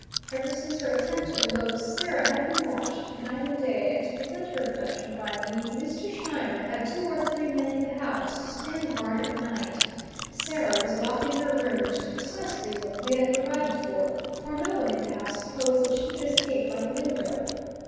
Ever since her attempt to elope, Sarah had been watched night and day, and to prevent her abduction by me, Mr. Scheimer had two or three men in the house to stand guard at night. Sarah was locked in her room, which is precisely what we had provided for, for no one in the house supposed that she could escape by the window.